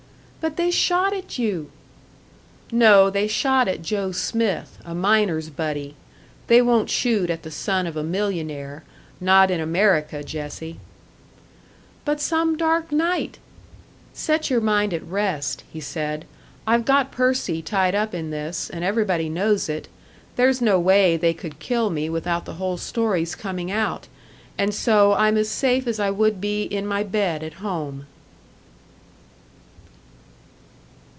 "But they shot at you!" "No, they shot at Joe Smith, a miner's buddy. They won't shoot at the son of a millionaire not in America, Jessie." "But some dark night " "Set your mind at rest," he said, "I've got Percy tied up in this, and everybody knows it. There's no way they could kill me without the whole story's coming out and so I'm as safe as I would be in my bed at home!"